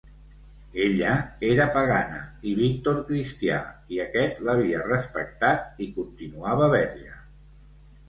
Ella era pagana, i Víctor cristià, i aquest l'havia respectat i continuava verge.